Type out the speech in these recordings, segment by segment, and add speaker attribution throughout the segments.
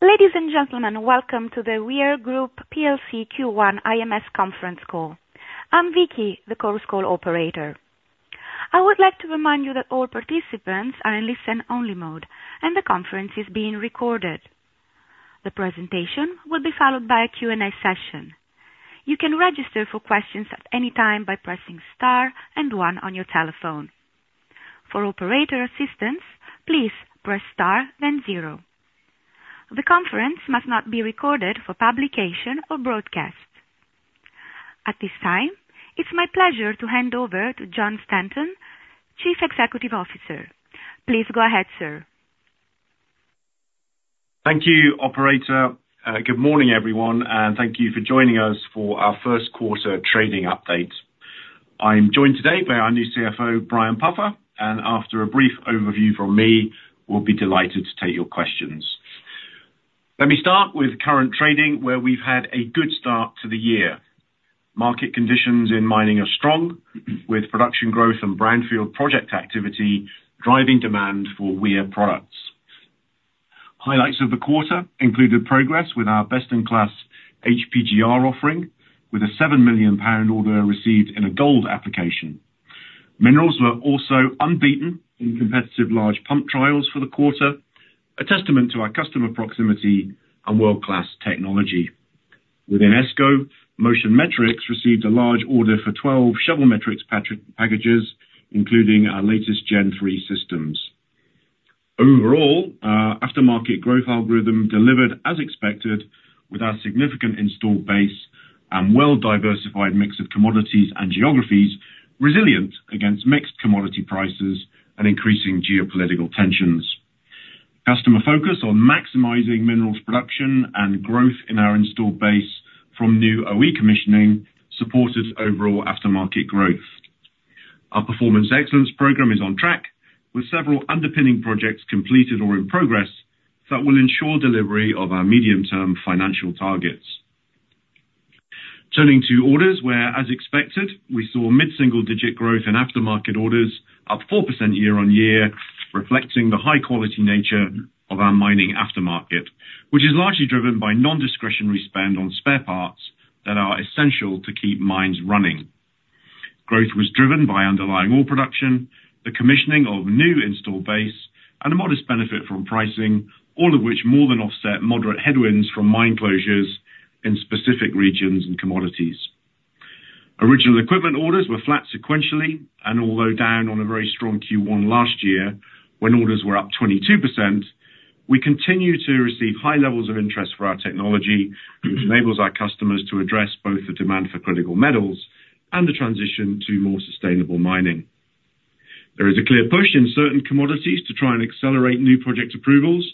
Speaker 1: Ladies and gentlemen, welcome to the Weir Group PLC Q1 IMS conference call. I'm Vicky, the conference call operator. I would like to remind you that all participants are in listen-only mode, and the conference is being recorded. The presentation will be followed by a Q&A session. You can register for questions at any time by pressing star and one on your telephone. For operator assistance, please press star, then zero. The conference must not be recorded for publication or broadcast. At this time, it's my pleasure to hand over to Jon Stanton, Chief Executive Officer. Please go ahead, sir.
Speaker 2: Thank you, operator. Good morning, everyone, and thank you for joining us for our first quarter trading update. I'm joined today by our new CFO, Brian Puffer, and after a brief overview from me, we'll be delighted to take your questions. Let me start with current trading, where we've had a good start to the year. Market conditions in mining are strong, with production growth and brownfield project activity driving demand for Weir products. Highlights of the quarter included progress with our best-in-class HPGR offering, with a 7 million pound order received in a gold application. Minerals were also unbeaten in competitive large pump trials for the quarter, a testament to our customer proximity and world-class technology. Within ESCO, Motion Metrics received a large order for 12 ShovelMetrics packages, including our latest Gen 3 systems. Overall, our aftermarket growth algorithm delivered as expected with our significant installed base and well-diversified mix of commodities and geographies, resilient against mixed commodity prices and increasing geopolitical tensions. Customer focus on maximizing Minerals production and growth in our installed base from new OE commissioning supported overall aftermarket growth. Our Performance Excellence program is on track with several underpinning projects completed or in progress that will ensure delivery of our medium-term financial targets. Turning to orders, where, as expected, we saw mid-single digit growth in aftermarket orders, up 4% year-on-year, reflecting the high-quality nature of our mining aftermarket, which is largely driven by non-discretionary spend on spare parts that are essential to keep mines running. Growth was driven by underlying ore production, the commissioning of new installed base, and a modest benefit from pricing, all of which more than offset moderate headwinds from mine closures in specific regions and commodities. Original equipment orders were flat sequentially, and although down on a very strong Q1 last year, when orders were up 22%, we continue to receive high levels of interest for our technology, which enables our customers to address both the demand for critical metals and the transition to more sustainable mining. There is a clear push in certain commodities to try and accelerate new project approvals,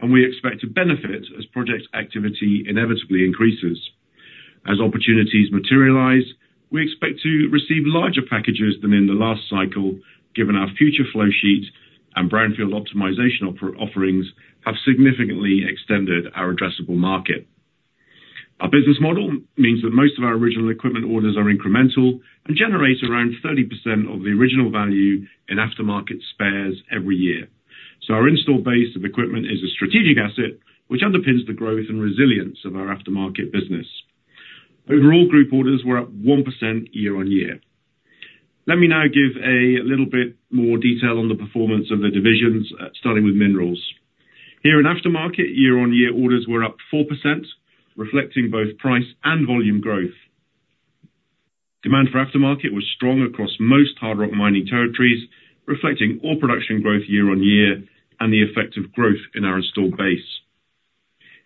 Speaker 2: and we expect to benefit as project activity inevitably increases. As opportunities materialize, we expect to receive larger packages than in the last cycle, given our future flowsheet and brownfield optimization offerings have significantly extended our addressable market. Our business model means that most of our original equipment orders are incremental and generate around 30% of the original value in aftermarket spares every year. So our installed base of equipment is a strategic asset, which underpins the growth and resilience of our aftermarket business. Overall, group orders were up 1% year-on-year. Let me now give a little bit more detail on the performance of the divisions, starting with minerals. Here in aftermarket, year-on-year orders were up 4%, reflecting both price and volume growth. Demand for aftermarket was strong across most hard rock mining territories, reflecting ore production growth year-on-year and the effect of growth in our installed base.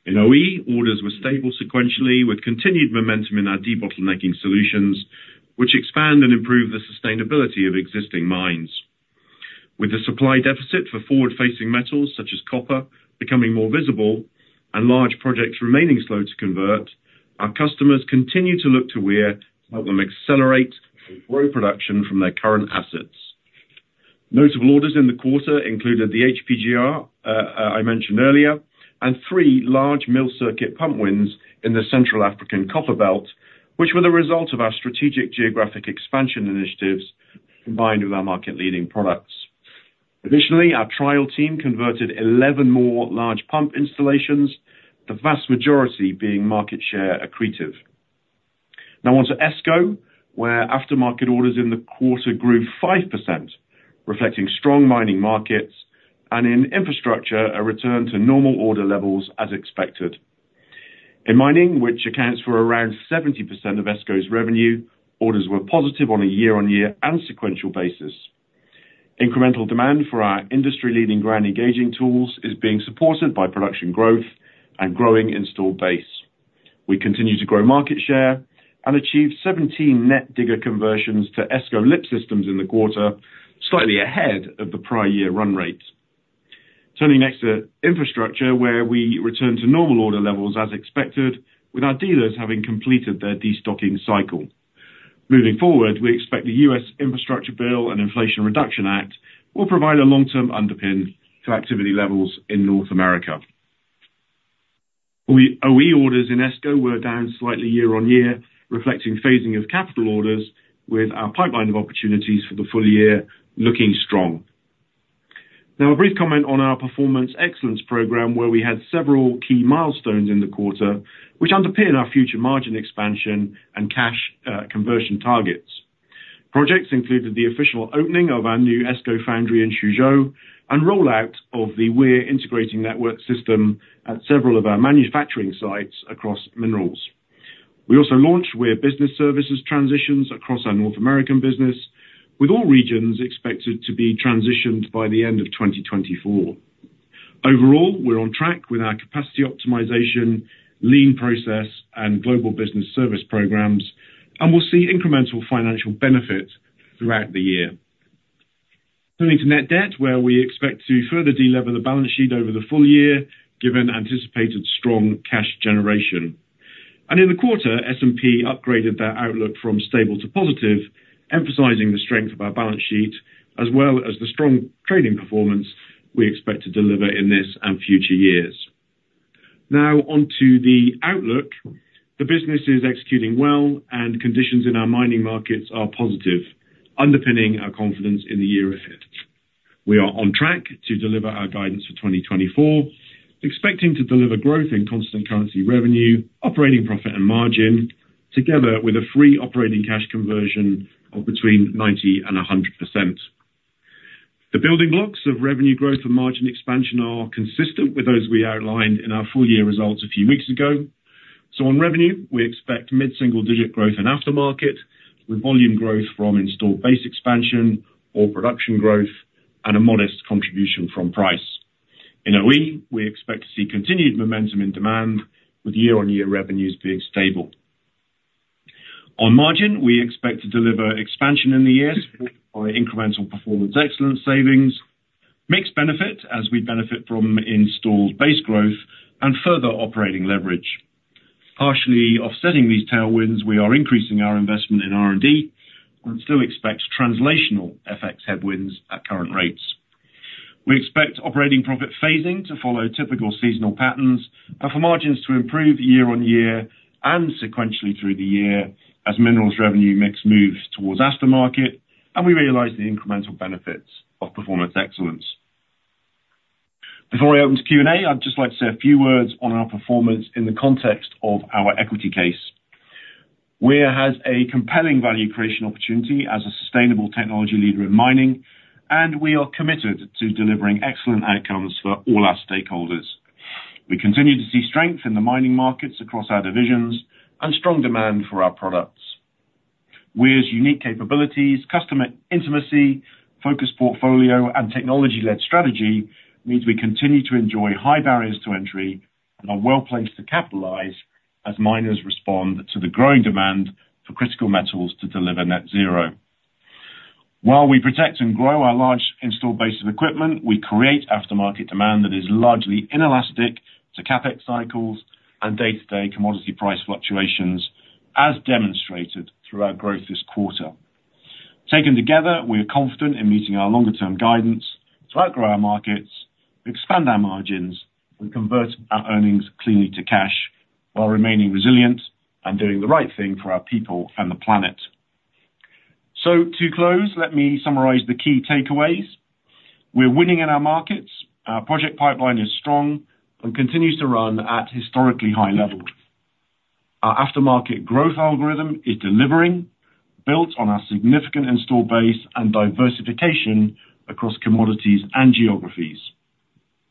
Speaker 2: In OE, orders were stable sequentially, with continued momentum in our debottlenecking solutions, which expand and improve the sustainability of existing mines. With the supply deficit for forward-facing metals, such as copper, becoming more visible and large projects remaining slow to convert, our customers continue to look to Weir to help them accelerate and grow production from their current assets. Notable orders in the quarter included the HPGR, I mentioned earlier, and three large mill circuit pump wins in the Central African Copper Belt, which were the result of our strategic geographic expansion initiatives combined with our market-leading products. Additionally, our trial team converted 11 more large pump installations, the vast majority being market share accretive. Now on to ESCO, where aftermarket orders in the quarter grew 5%, reflecting strong mining markets and in Infrastructure, a return to normal order levels as expected. In mining, which accounts for around 70% of ESCO's revenue, orders were positive on a year-on-year and sequential basis. Incremental demand for our industry-leading ground engaging tools is being supported by production growth and growing installed base. We continue to grow market share and achieve 17 net digger conversions to ESCO lip systems in the quarter, slightly ahead of the prior year run rate. Turning next to Infrastructure, where we return to normal order levels as expected, with our dealers having completed their destocking cycle. Moving forward, we expect the U.S. Infrastructure Bill and Inflation Reduction Act will provide a long-term underpin to activity levels in North America.OE, OE orders in ESCO were down slightly year-on-year, reflecting phasing of capital orders with our pipeline of opportunities for the full year looking strong. Now, a brief comment on our Performance Excellence program, where we had several key milestones in the quarter, which underpin our future margin expansion and cash conversion targets. Projects included the official opening of our new ESCO foundry in Suzhou, and rollout of the Weir Integrating Network System at several of our manufacturing sites across minerals. We also launched Weir Business Services transitions across our North American business, with all regions expected to be transitioned by the end of 2024. Overall, we're on track with our capacity optimization, lean process, and global business service programs, and we'll see incremental financial benefit throughout the year. Turning to net debt, where we expect to further delever the balance sheet over the full year, given anticipated strong cash generation. In the quarter, S&P upgraded their outlook from stable to positive, emphasizing the strength of our balance sheet, as well as the strong trading performance we expect to deliver in this and future years. Now, on to the outlook, the business is executing well, and conditions in our mining markets are positive, underpinning our confidence in the year ahead. We are on track to deliver our guidance for 2024, expecting to deliver growth in constant currency revenue, operating profit and margin, together with a free operating cash conversion of between 90% and 100%. The building blocks of revenue growth and margin expansion are consistent with those we outlined in our full year results a few weeks ago. So on revenue, we expect mid-single digit growth in aftermarket, with volume growth from installed base expansion or production growth, and a modest contribution from price. In OE, we expect to see continued momentum in demand, with year-on-year revenues being stable. On margin, we expect to deliver expansion in the years by incremental performance excellence savings, mixed benefit as we benefit from installed base growth and further operating leverage. Partially offsetting these tailwinds, we are increasing our investment in R&D and still expect translational FX headwinds at current rates. We expect operating profit phasing to follow typical seasonal patterns and for margins to improve year-on-year and sequentially through the year as minerals revenue mix moves towards aftermarket, and we realize the incremental benefits of performance excellence. Before I open to Q&A, I'd just like to say a few words on our performance in the context of our equity case. Weir has a compelling value creation opportunity as a sustainable technology leader in mining, and we are committed to delivering excellent outcomes for all our stakeholders. We continue to see strength in the mining markets across our divisions and strong demand for our products. Weir's unique capabilities, customer intimacy, focused portfolio, and technology-led strategy means we continue to enjoy high barriers to entry and are well placed to capitalize as miners respond to the growing demand for critical metals to deliver net zero. While we protect and grow our large installed base of equipment, we create aftermarket demand that is largely inelastic to CapEx cycles and day-to-day commodity price fluctuations, as demonstrated through our growth this quarter. Taken together, we are confident in meeting our longer-term guidance to outgrow our markets, expand our margins, and convert our earnings cleanly to cash while remaining resilient and doing the right thing for our people and the planet. So to close, let me summarize the key takeaways. We're winning in our markets. Our project pipeline is strong and continues to run at historically high levels. Our aftermarket growth algorithm is delivering, built on our significant installed base and diversification across commodities and geographies.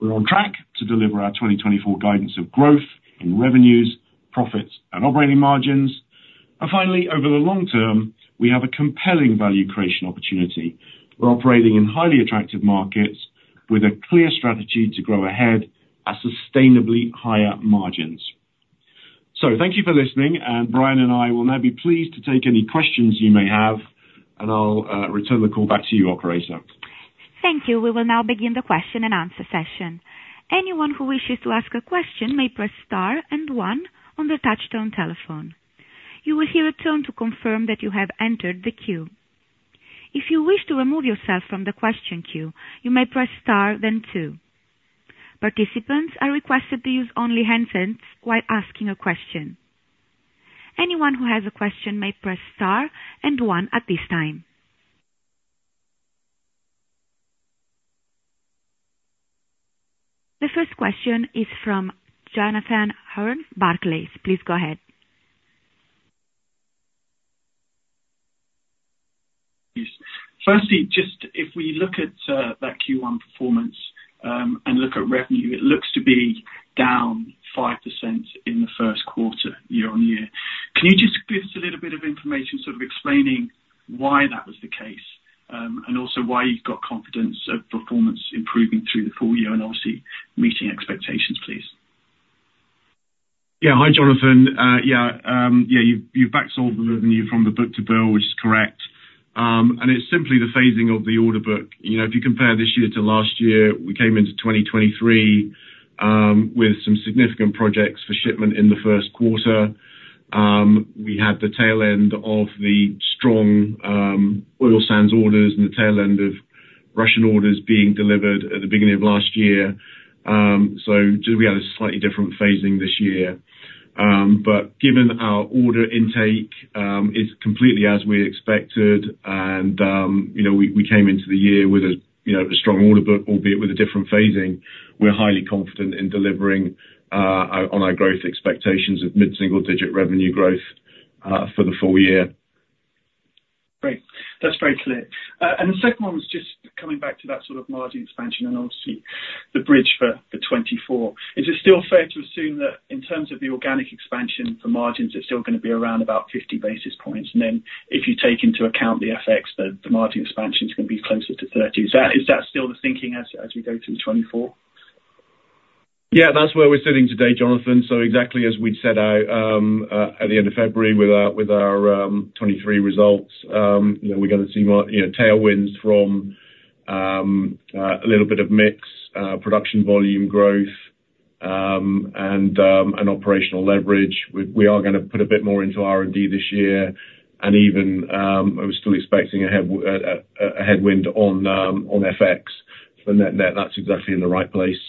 Speaker 2: We're on track to deliver our 2024 guidance of growth in revenues, profits, and operating margins. And finally, over the long term, we have a compelling value creation opportunity. We're operating in highly attractive markets with a clear strategy to grow ahead at sustainably higher margins. So thank you for listening, and Brian and I will now be pleased to take any questions you may have, and I'll return the call back to you, operator.
Speaker 1: Thank you. We will now begin the question-and-answer session. Anyone who wishes to ask a question may press star and one on the touchtone telephone. You will hear a tone to confirm that you have entered the queue. If you wish to remove yourself from the question queue, you may press star then two. Participants are requested to use only handsets while asking a question. Anyone who has a question may press star and one at this time. The first question is from Jonathan Hurn, Barclays. Please go ahead.
Speaker 3: Yes. Firstly, just if we look at that Q1 performance, and look at revenue, it looks to be down 5% in the first quarter, year-on-year. Can you just give us a little bit of information, sort of explaining why that was the case, and also why you've got confidence of performance improving through the full year and obviously meeting expectations, please?
Speaker 2: Yeah. Hi, Jonathan. Yeah, you back solved the revenue from the book-to-bill, which is correct. And it's simply the phasing of the order book. You know, if you compare this year to last year, we came into 2023 with some significant projects for shipment in the first quarter. We had the tail end of the strong oil sands orders and the tail end of Russian orders being delivered at the beginning of last year. So do we have a slightly different phasing this year? But given our order intake is completely as we expected, and you know, we came into the year with a, you know, a strong order book, albeit with a different phasing. We're highly confident in delivering on our growth expectations of mid-single digit revenue growth for the full year.
Speaker 3: Great. That's very clear. And the second one was just coming back to that sort of margin expansion and obviously the bridge for 2024. Is it still fair to assume that in terms of the organic expansion for margins, it's still gonna be around about 50 basis points? And then if you take into account the FX, the margin expansion is gonna be closer to 30. Is that still the thinking as we go through 2024?
Speaker 2: Yeah, that's where we're sitting today, Jonathan. So exactly as we'd set out at the end of February with our 2023 results, you know, we're gonna see tailwinds from a little bit of mix, production volume growth, and an operational leverage. We are gonna put a bit more into R&D this year, and even, we're still expecting a headwind on FX. So net, net, that's exactly in the right place.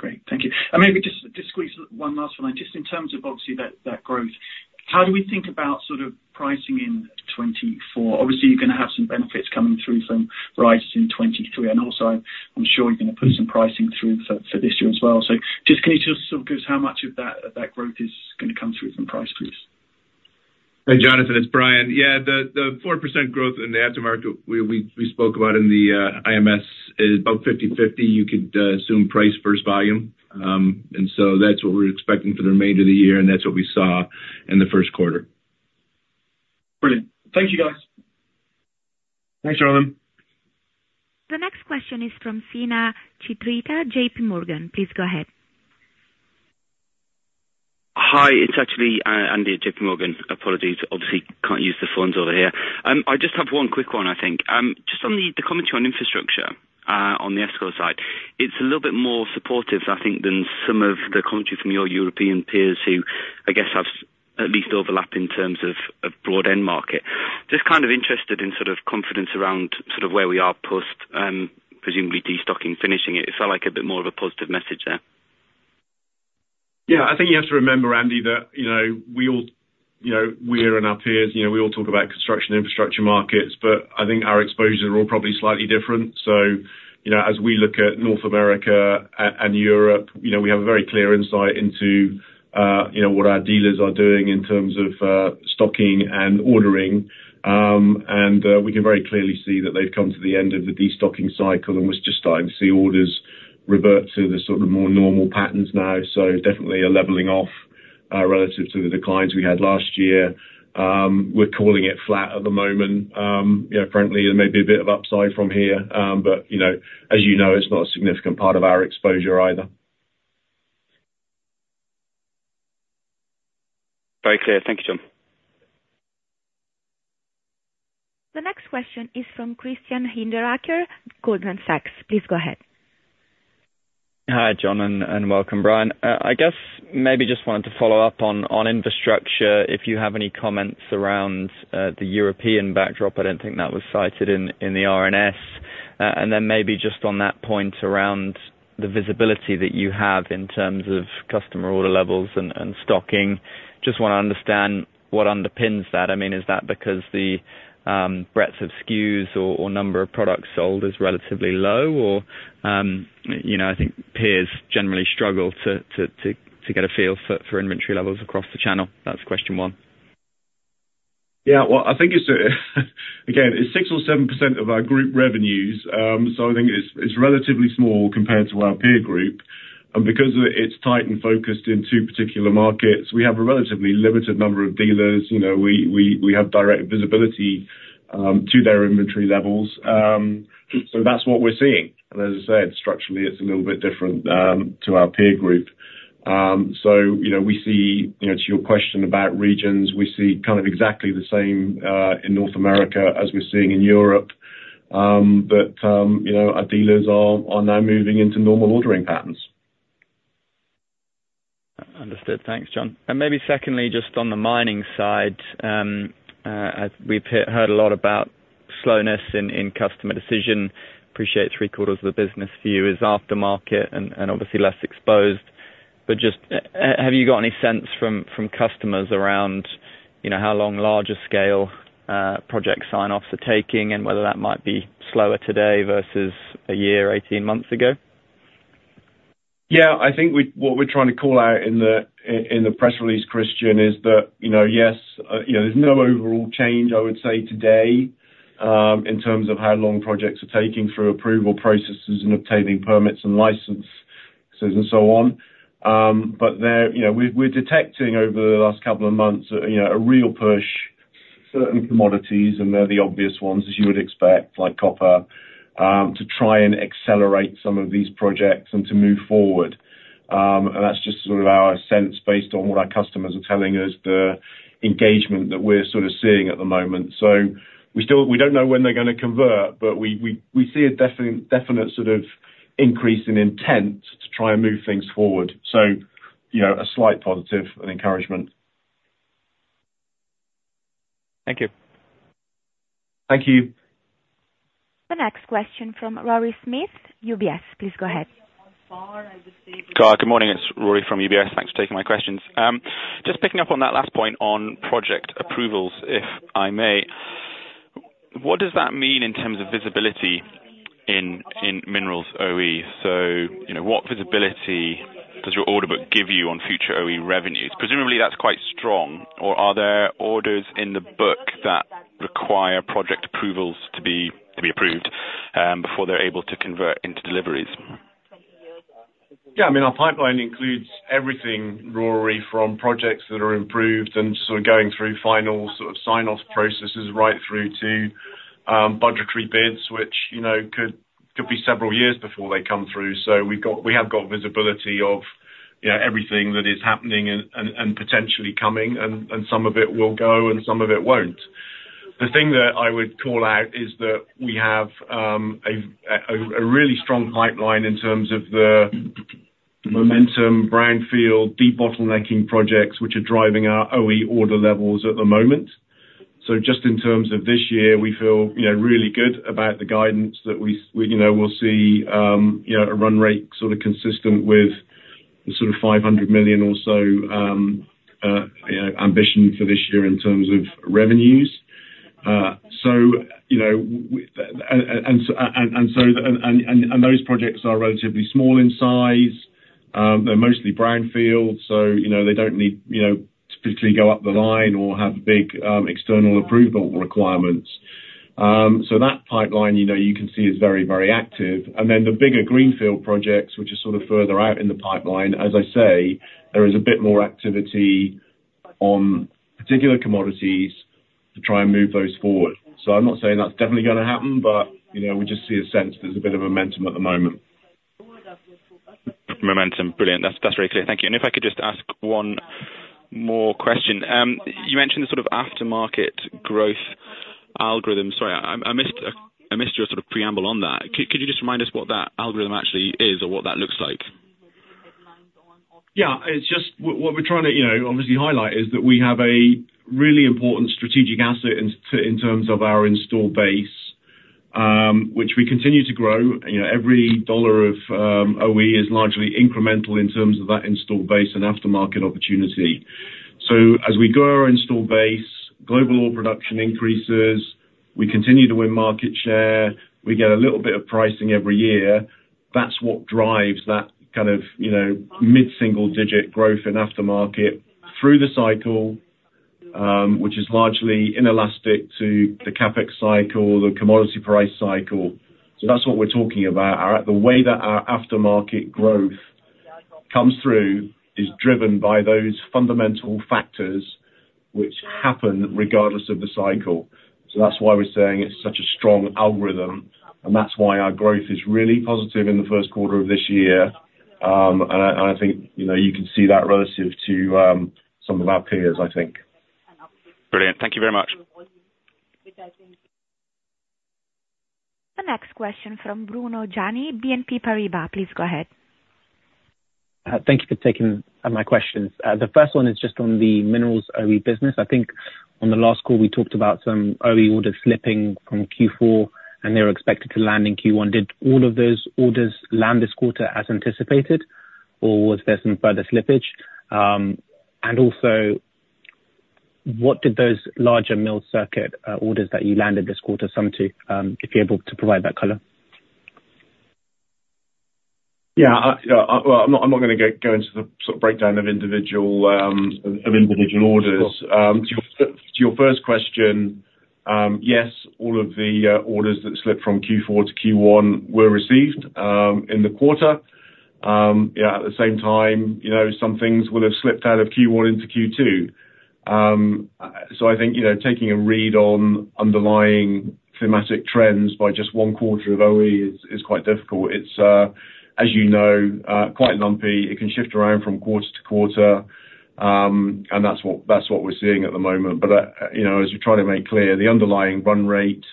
Speaker 3: Great. Thank you. And maybe just, just squeeze one last one in. Just in terms of obviously that, that growth, how do we think about sort of pricing in 2024? Obviously, you're gonna have some benefits coming through from prices in 2023, and also, I'm sure you're gonna put some pricing through for, for this year as well. So just can you just sort of give us how much of that, of that growth is gonna come through from price please?
Speaker 4: Hey, Jonathan, it's Brian. Yeah, the 4% growth in the aftermarket we spoke about in the IMS is about 50/50. You could assume price first volume. And so that's what we're expecting for the remainder of the year, and that's what we saw in the first quarter.
Speaker 3: Brilliant. Thank you, guys.
Speaker 4: Thanks, Jonathan.
Speaker 1: The next question is from Sinha Chitrita, JP Morgan. Please go ahead.
Speaker 5: Hi, it's actually, Andy at JP Morgan. Apologies. Obviously, can't use the phones over here. I just have one quick one, I think. Just on the, the commentary on Infrastructure, on the ESCO side, it's a little bit more supportive, I think, than some of the commentary from your European peers, who, I guess, have at least overlap in terms of, of broad end market. Just kind of interested in sort of confidence around sort of where we are post, presumably destocking, finishing it. It felt like a bit more of a positive message there.
Speaker 2: Yeah, I think you have to remember, Andy, that, you know, we all, you know, we and our peers, you know, we all talk about construction Infrastructure markets, but I think our exposures are all probably slightly different. So, you know, as we look at North America and Europe, you know, we have a very clear insight into, you know, what our dealers are doing in terms of, stocking and ordering. And, we can very clearly see that they've come to the end of the destocking cycle, and we're just starting to see orders revert to the sort of more normal patterns now. So definitely a leveling off, relative to the declines we had last year. We're calling it flat at the moment. You know, frankly, there may be a bit of upside from here, but, you know, as you know, it's not a significant part of our exposure either.
Speaker 5: Very clear. Thank you, Jon.
Speaker 1: The next question is from Christian Hinderaker, Goldman Sachs. Please go ahead.
Speaker 6: Hi, Jon, and welcome, Brian. I guess maybe just wanted to follow up on Infrastructure, if you have any comments around the European backdrop. I don't think that was cited in the RNS. And then maybe just on that point around the visibility that you have in terms of customer order levels and stocking. Just want to understand what underpins that. I mean, is that because the breadth of SKUs or number of products sold is relatively low? Or you know, I think peers generally struggle to get a feel for inventory levels across the channel. That's question one.
Speaker 2: Yeah, well, I think it's, again, it's 6% or 7% of our group revenues, so I think it's relatively small compared to our peer group. And because it's tight and focused in two particular markets, we have a relatively limited number of dealers. You know, we have direct visibility to their inventory levels. So that's what we're seeing. And as I said, structurally, it's a little bit different to our peer group. So, you know, we see, you know, to your question about regions, we see kind of exactly the same in North America as we're seeing in Europe. But, you know, our dealers are now moving into normal ordering patterns.
Speaker 6: Understood. Thanks, Jon. And maybe secondly, just on the mining side, as we've heard a lot about slowness in customer decision, appreciate three-quarters of the business for you is aftermarket and obviously less exposed. But just, have you got any sense from customers around, you know, how long larger scale project sign-offs are taking and whether that might be slower today versus a year, 18 months ago?
Speaker 2: Yeah, I think what we're trying to call out in the press release, Christian, is that, you know, yes, you know, there's no overall change, I would say, today, in terms of how long projects are taking through approval processes and obtaining permits and licenses and so on. But there, you know, we're detecting over the last couple of months, you know, a real push, certain commodities, and they're the obvious ones, as you would expect, like copper, to try and accelerate some of these projects and to move forward. And that's just sort of our sense based on what our customers are telling us, the engagement that we're sort of seeing at the moment. So we still don't know when they're gonna convert, but we see a definite sort of increase in intent to try and move things forward. So, you know, a slight positive and encouragement.
Speaker 6: Thank you.
Speaker 2: Thank you.
Speaker 1: The next question from Rory Smith, UBS, please go ahead.
Speaker 7: Good morning, it's Rory from UBS. Thanks for taking my questions. Just picking up on that last point on project approvals, if I may. What does that mean in terms of visibility in minerals OE? So, you know, what visibility does your order book give you on future OE revenues? Presumably, that's quite strong, or are there orders in the book that require project approvals to be approved before they're able to convert into deliveries?
Speaker 2: Yeah, I mean, our pipeline includes everything, Rory, from projects that are improved and sort of going through final sort of sign-off processes, right through to budgetary bids, which, you know, could be several years before they come through. So we have got visibility of, you know, everything that is happening and potentially coming, and some of it will go and some of it won't. The thing that I would call out is that we have a really strong pipeline in terms of the momentum, brownfield, debottlenecking projects, which are driving our OE order levels at the moment. So just in terms of this year, we feel, you know, really good about the guidance that we, you know, will see, you know, a run rate sort of consistent with the sort of 500 million or so, you know, ambition for this year in terms of revenues. So, you know, and those projects are relatively small in size. They're mostly brownfield, so, you know, they don't need, you know, to particularly go up the line or have big, external approval requirements. So that pipeline, you know, you can see is very, very active. And then the bigger greenfield projects, which are sort of further out in the pipeline, as I say, there is a bit more activity on particular commodities to try and move those forward. So I'm not saying that's definitely gonna happen, but, you know, we just see a sense there's a bit of momentum at the moment.
Speaker 7: Momentum brilliant. That's very clear. Thank you. And if I could just ask one more question. You mentioned the sort of aftermarket growth algorithm. Sorry, I missed your sort of preamble on that. Could you just remind us what that algorithm actually is or what that looks like?
Speaker 2: Yeah, it's just what we're trying to, you know, obviously highlight, is that we have a really important strategic asset in terms of our installed base, which we continue to grow. You know, every dollar of OE is largely incremental in terms of that installed base and aftermarket opportunity. So as we grow our installed base, global ore production increases, we continue to win market share, we get a little bit of pricing every year. That's what drives that kind of, you know, mid-single-digit growth in aftermarket through the cycle, which is largely inelastic to the CapEx cycle, the commodity price cycle. So that's what we're talking about. The way that our aftermarket growth comes through is driven by those fundamental factors which happen regardless of the cycle. So that's why we're saying it's such a strong algorithm, and that's why our growth is really positive in the first quarter of this year. And I think, you know, you can see that relative to some of our peers, I think.
Speaker 7: Brilliant. Thank you very much.
Speaker 1: The next question from Bruno Gjani, BNP Paribas. Please go ahead.
Speaker 8: Thank you for taking my questions. The first one is just on the minerals OE business. I think on the last call, we talked about some OE orders slipping from Q4, and they were expected to land in Q1. Did all of those orders land this quarter as anticipated, or was there some further slippage? And also, what did those larger mill circuit orders that you landed this quarter sum to? If you're able to provide that color.
Speaker 2: Yeah, well, I'm not gonna go into the sort of breakdown of individual orders. Sure. To your first question, yes, all of the orders that slipped from Q4 to Q1 were received in the quarter. Yeah, at the same time, you know, some things will have slipped out of Q1 into Q2. So I think, you know, taking a read on underlying thematic trends by just one quarter of OE is quite difficult. It's, as you know, quite lumpy. It can shift around from quarter to quarter, and that's what we're seeing at the moment. But, you know, as you try to make clear, the underlying run rate,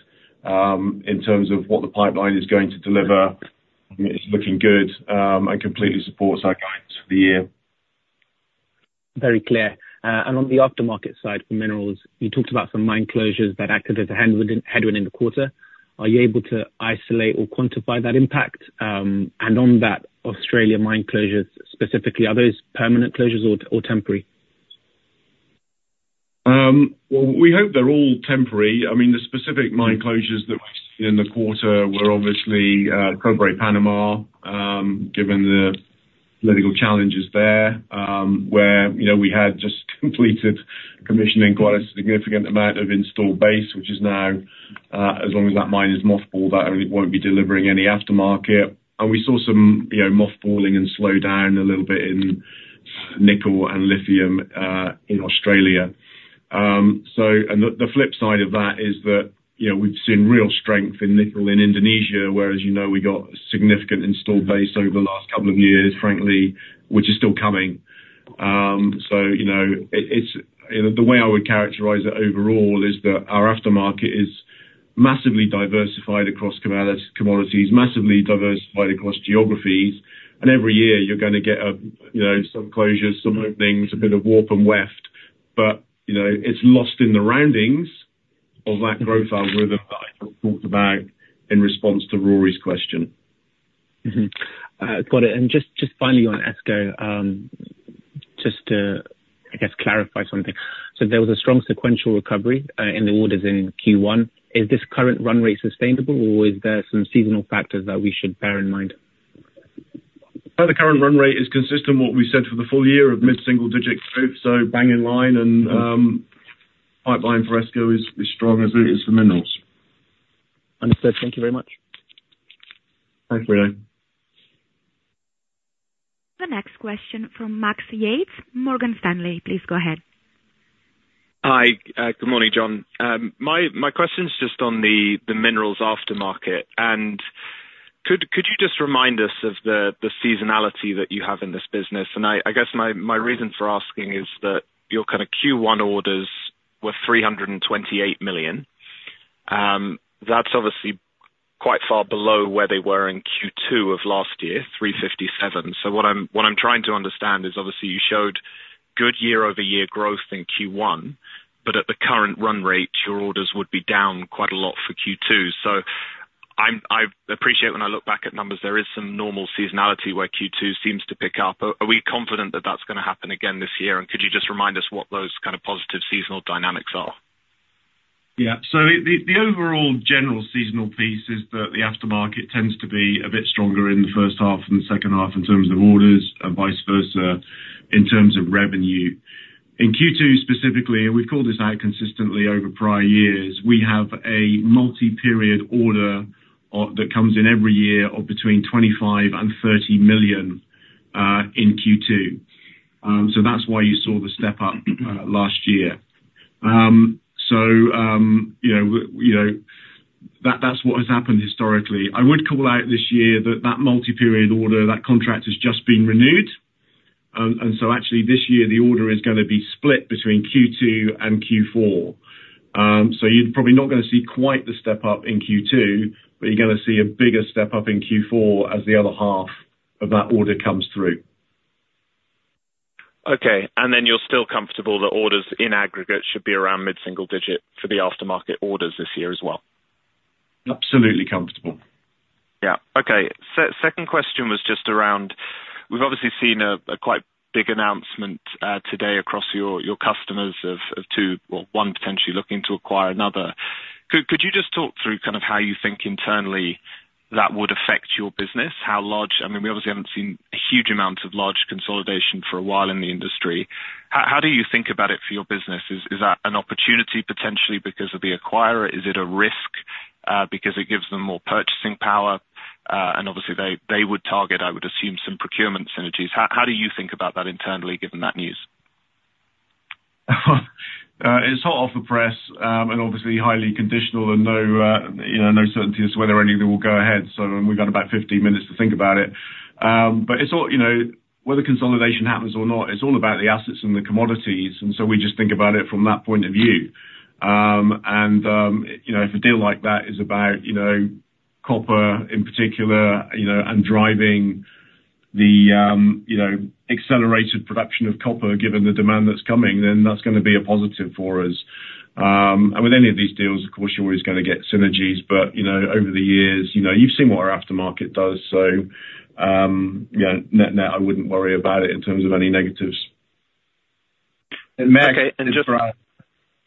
Speaker 2: in terms of what the pipeline is going to deliver, I mean, it's looking good, and completely supports our guidance for the year.
Speaker 8: Very clear. And on the aftermarket side for minerals, you talked about some mine closures that acted as a headwind, headwind in the quarter. Are you able to isolate or quantify that impact? And on that, Australia mine closures, specifically, are those permanent closures or, or temporary?
Speaker 2: Well, we hope they're all temporary. I mean, the specific mine closures that we've seen in the quarter were obviously Cobre Panamá, given the political challenges there, where, you know, we had just completed commissioning quite a significant amount of installed base, which is now, as long as that mine is mothballed, that really won't be delivering any aftermarket. And we saw some, you know, mothballing and slow down a little bit in nickel and lithium in Australia. So, and the flip side of that is that, you know, we've seen real strength in nickel in Indonesia, whereas, you know, we got significant installed base over the last couple of years, frankly, which is still coming. So, you know, it, it's... You know, the way I would characterize it overall is that our aftermarket is-... massively diversified across commodities, massively diversified across geographies, and every year you're gonna get a, you know, some closures, some openings, a bit of warp and weft, but, you know, it's lost in the roundings of that growth algorithm I talked about in response to Rory's question.
Speaker 8: Got it. And just, just finally on ESCO, just to, I guess, clarify something. So there was a strong sequential recovery in the orders in Q1. Is this current run rate sustainable, or is there some seasonal factors that we should bear in mind?
Speaker 2: Well, the current run rate is consistent with what we said for the full year of mid-single digit growth, so bang in line, and pipeline for ESCO is strong as it is for minerals.
Speaker 8: Understood. Thank you very much.
Speaker 2: Thanks, Bruno.
Speaker 1: The next question from Max Yates, Morgan Stanley. Please go ahead.
Speaker 9: Hi, good morning, Jon. My question is just on the minerals aftermarket. And could you just remind us of the seasonality that you have in this business? And I guess, my reason for asking is that your kind of Q1 orders were 328 million. That's obviously quite far below where they were in Q2 of last year, 357 million. So what I'm trying to understand is, obviously, you showed good year-over-year growth in Q1, but at the current run rate, your orders would be down quite a lot for Q2. So I appreciate when I look back at numbers, there is some normal seasonality where Q2 seems to pick up. Are we confident that that's gonna happen again this year? And could you just remind us what those kind of positive seasonal dynamics are?
Speaker 2: Yeah. So the overall general seasonal piece is that the aftermarket tends to be a bit stronger in the first half than the second half in terms of orders, and vice versa in terms of revenue. In Q2, specifically, we've called this out consistently over prior years, we have a multi-period order that comes in every year, of between 25 million and 30 million in Q2. So that's why you saw the step up last year. You know, you know, that that's what has happened historically. I would call out this year that that multi-period order, that contract has just been renewed. And so actually this year, the order is gonna be split between Q2 and Q4. So, you're probably not gonna see quite the step up in Q2, but you're gonna see a bigger step up in Q4, as the other half of that order comes through.
Speaker 9: Okay. And then you're still comfortable that orders in aggregate should be around mid-single digit for the aftermarket orders this year as well?
Speaker 2: Absolutely comfortable.
Speaker 9: Yeah. Okay. Second question was just around. We've obviously seen a quite big announcement today across your customers of two. Well, one potentially looking to acquire another. Could you just talk through kind of how you think internally that would affect your business? How large - I mean, we obviously haven't seen a huge amount of large consolidation for a while in the industry. How do you think about it for your business? Is that an opportunity potentially because of the acquirer? Is it a risk because it gives them more purchasing power? And obviously they would target, I would assume, some procurement synergies. How do you think about that internally, given that news?
Speaker 2: It's hot off the press, and obviously highly conditional and no, you know, no certainty as to whether anything will go ahead, so, and we've got about 15 minutes to think about it. But it's all, you know, whether consolidation happens or not, it's all about the assets and the commodities, and so we just think about it from that point of view. And, you know, if a deal like that is about, you know, copper in particular, you know, and driving the, you know, accelerated production of copper, given the demand that's coming, then that's gonna be a positive for us. And with any of these deals, of course, you're always gonna get synergies, but, you know, over the years, you know, you've seen what our aftermarket does. So, yeah, net-net, I wouldn't worry about it in terms of any negatives.
Speaker 4: And, Max-
Speaker 9: Okay, and just-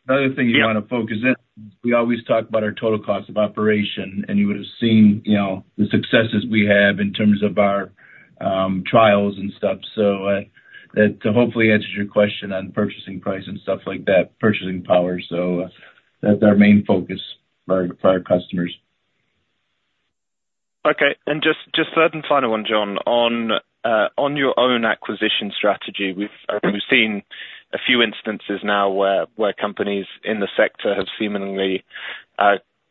Speaker 2: The other thing you wanna focus in, we always talk about our total cost of operation, and you would have seen, you know, the successes we have in terms of our trials and stuff. So that hopefully answers your question on purchasing price and stuff like that, purchasing power. So that's our main focus for our customers.
Speaker 9: Okay. And just, just third and final one, Jon. On your own acquisition strategy, we've seen a few instances now where companies in the sector have seemingly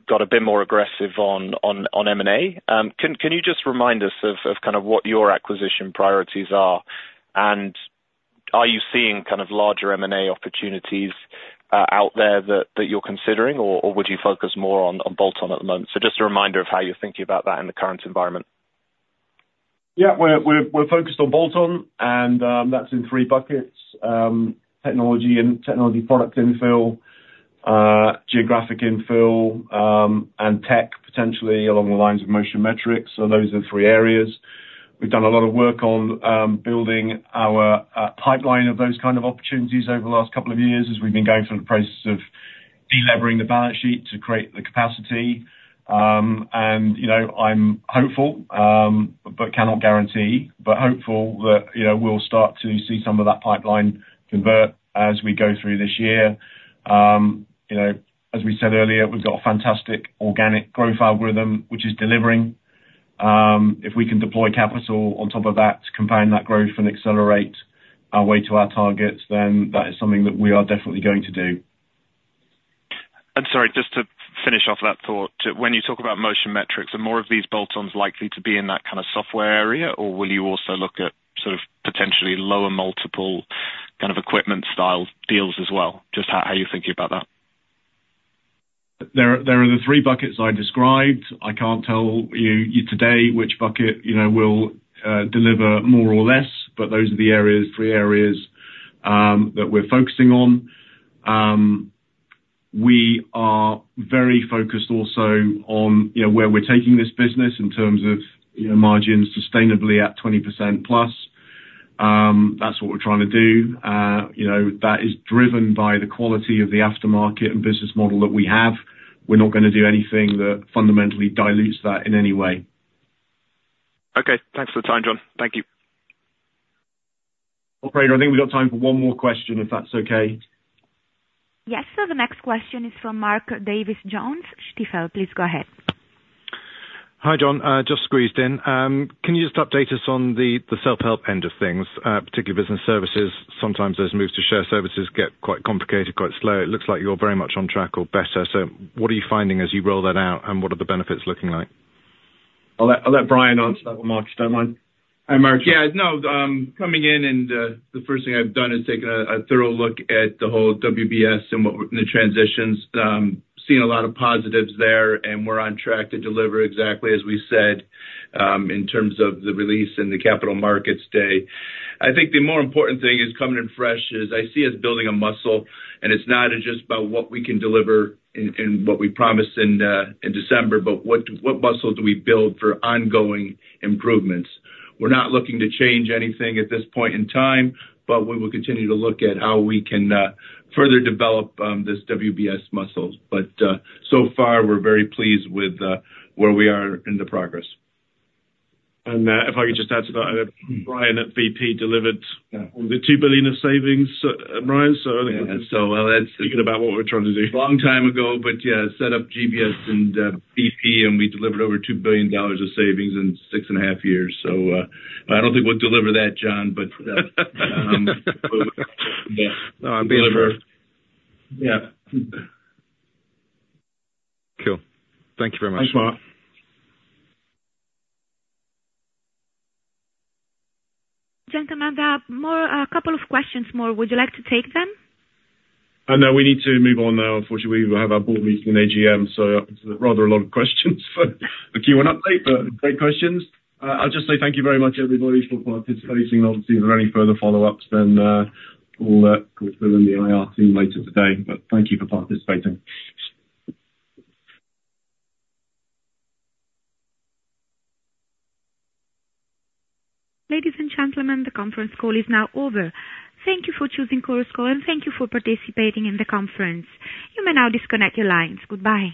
Speaker 9: got a bit more aggressive on M&A. Can you just remind us of kind of what your acquisition priorities are? And are you seeing kind of larger M&A opportunities out there that you're considering, or would you focus more on bolt-on at the moment? So just a reminder of how you're thinking about that in the current environment.
Speaker 2: Yeah. We're focused on bolt-on, and that's in three buckets: technology and technology product infill, geographic infill, and tech, potentially along the lines of Motion Metrics. So those are the three areas. We've done a lot of work on building our pipeline of those kind of opportunities over the last couple of years, as we've been going through the process of delevering the balance sheet to create the capacity. And you know, I'm hopeful, but cannot guarantee, but hopeful that you know, we'll start to see some of that pipeline convert as we go through this year. You know, as we said earlier, we've got a fantastic organic growth algorithm, which is delivering. If we can deploy capital on top of that to compound that growth and accelerate our way to our targets, then that is something that we are definitely going to do.
Speaker 9: And sorry, just to finish off that thought. When you talk about Motion Metrics, are more of these bolt-ons likely to be in that kind of software area, or will you also look at sort of potentially lower multiple? kind of equipment style deals as well? Just how, how are you thinking about that?
Speaker 2: There are the three buckets I described. I can't tell you today which bucket, you know, will deliver more or less, but those are the areas, three areas, that we're focusing on. We are very focused also on, you know, where we're taking this business in terms of, you know, margins sustainably at 20%+. That's what we're trying to do. You know, that is driven by the quality of the aftermarket and business model that we have. We're not gonna do anything that fundamentally dilutes that in any way.
Speaker 9: Okay. Thanks for the time, Jon. Thank you.
Speaker 2: Operator, I think we've got time for one more question, if that's okay.
Speaker 1: Yes. So the next question is from Mark Davies Jones, Stifel. Please go ahead.
Speaker 10: Hi, Jon. Just squeezed in. Can you just update us on the, the self-help end of things, particularly business services? Sometimes those moves to shared services get quite complicated, quite slow. It looks like you're very much on track or better. So what are you finding as you roll that out, and what are the benefits looking like?
Speaker 2: I'll let Brian answer that one, Mark, if you don't mind.
Speaker 4: Hi, Mark. Yeah, no, coming in and, the first thing I've done is taken a thorough look at the whole WBS and what we're in the transitions. Seen a lot of positives there, and we're on track to deliver exactly as we said, in terms of the release in the Capital Markets Day. I think the more important thing is coming in fresh, is I see us building a muscle, and it's not just about what we can deliver in what we promised in December, but what muscle do we build for ongoing improvements? We're not looking to change anything at this point in time, but we will continue to look at how we can further develop this WBS muscle. But, so far, we're very pleased with where we are in the progress.
Speaker 2: If I could just add to that, Brian, at BP, delivered-
Speaker 4: Yeah.
Speaker 2: - the 2 billion of savings, Brian, so I think-
Speaker 4: So, well, that's-
Speaker 2: Thinking about what we're trying to do.
Speaker 4: Long time ago, but yeah, set up GBS and, BP, and we delivered over $2 billion of savings in six and a half years. So, I don't think we'll deliver that, John, but, yeah.
Speaker 2: No, I'm being sure.
Speaker 4: Yeah.
Speaker 10: Cool. Thank you very much.
Speaker 2: Thanks, Mark.
Speaker 1: Gentlemen, there are more... A couple of questions more. Would you like to take them?
Speaker 2: No, we need to move on now. Unfortunately, we have our board meeting and AGM, so rather a lot of questions for the Q&A update, but great questions. I'll just say thank you very much everybody for participating. Obviously, if there are any further follow-ups, then we'll call through in the IR team later today, but thank you for participating.
Speaker 1: Ladies and gentlemen, the conference call is now over. Thank you for choosing Chorus Call, and thank you for participating in the conference. You may now disconnect your lines. Goodbye.